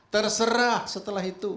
terserah setelah itu